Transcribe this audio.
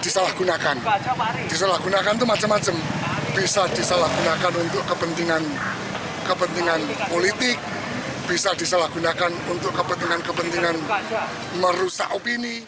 disalahgunakan disalahgunakan itu macam macam bisa disalahgunakan untuk kepentingan politik bisa disalahgunakan untuk kepentingan kepentingan merusak opini